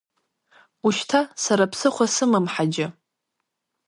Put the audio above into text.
Ушьҭа сара ԥсыхәа сымам Ҳаџьы…